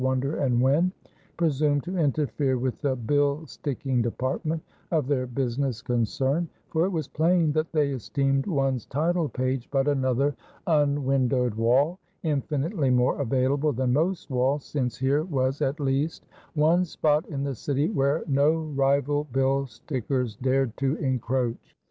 Wonder and Wen presume to interfere with the bill sticking department of their business concern; for it was plain that they esteemed one's title page but another unwindowed wall, infinitely more available than most walls, since here was at least one spot in the city where no rival bill stickers dared to encroach.